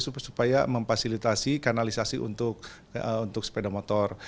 supaya memfasilitasi kanalisasi untuk sepeda motor